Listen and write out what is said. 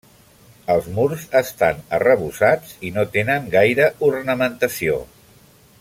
Els murs estan arrebossats i no tenen gaire ornamentació.